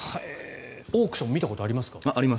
オークション見たことありますか？